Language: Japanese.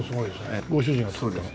ご主人が作ったの？